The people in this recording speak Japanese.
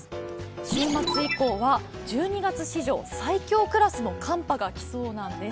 週末以降は１２月史上最高クラスの寒波が来そうなんです。